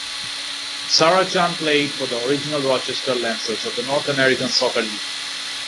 Sarachan played for the original Rochester Lancers of the North American Soccer League.